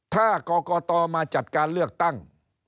ถ้ากรกตมาจัดการเลือกตั้ง